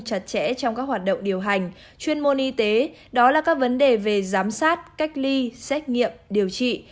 chặt chẽ trong các hoạt động điều hành chuyên môn y tế đó là các vấn đề về giám sát cách ly xét nghiệm điều trị